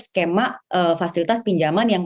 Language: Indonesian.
skema fasilitas pinjaman yang